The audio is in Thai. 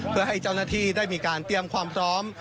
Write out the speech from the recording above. เพื่อให้เจ้าหน้าที่ได้มีการเตรียมความพร้อม